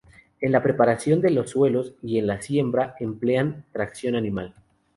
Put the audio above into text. En la preparación de los suelos y en la siembra emplean tracción animal.